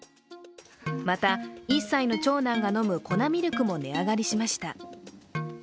また、１歳の長男が飲む粉ミルクも値上がりしました。